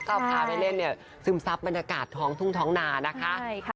ก็พาไปเล่นซึมซับบรรยากาศท้องทุ่งท้องนานะฮะ